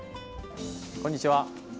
こんにちは。